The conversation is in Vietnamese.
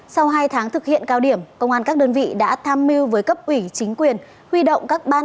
sau hai tháng thực hiện cao điểm công an các đơn vị đã tham mưu với cấp ủy chính quyền huy động các ban